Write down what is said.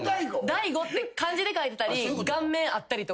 大悟って漢字でかいてたり顔面あったりとか。